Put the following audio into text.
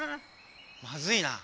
まずいな。